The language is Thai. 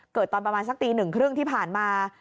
ตอนประมาณสักตีหนึ่งครึ่งที่ผ่านมา